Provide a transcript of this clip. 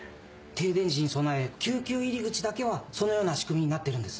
停電時に備え救急入り口だけはそのような仕組みになってるんです。